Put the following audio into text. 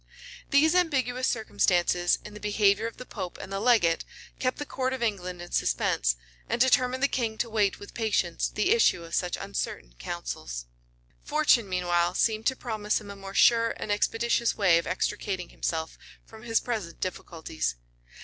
[] These ambiguous circumstances in the behavior of the pope and the legate, kept the court of England in suspense, and determined the king to wait with patience the issue of such uncertain councils. {1529.} Fortune, meanwhile, seemed to promise him a more sure and expeditious way of extricating himself from his present difficulties.